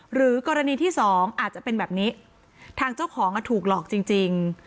หรือกรณีที่สองอาจจะเป็นแบบนี้ทางเจ้าของถูกหลอกจริง